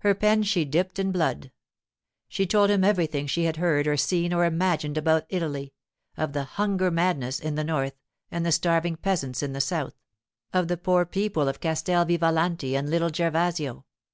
Her pen she dipped in blood. She told him everything she had heard or seen or imagined about Italy—of the 'hunger madness' in the north and the starving peasants in the south; of the poor people of Castel Vivalanti and little Gervasio.